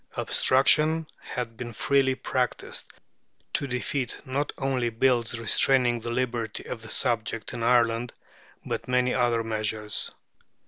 Obstruction had been freely practised to defeat not only bills restraining the liberty of the subject in Ireland, but many other measures.